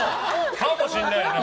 かもしれないね。